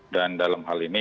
dan dalam hal ini